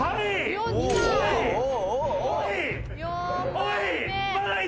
「おい！